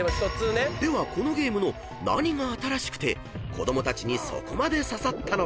［ではこのゲームの何が新しくて子供たちにそこまで刺さったのか？］